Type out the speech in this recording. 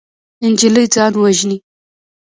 نجلۍ ځان وژني.